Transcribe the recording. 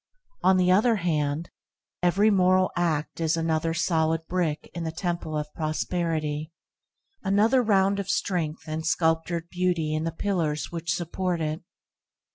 On the other hand, every moral act is another solid brick in the temple of prosperity, another round of strength and sculptured beauty in the pillars which support it.